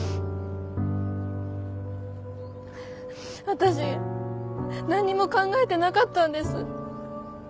私何にも考えてなかったんです。